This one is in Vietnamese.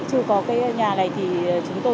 chứ có cái nhà này thì chúng tôi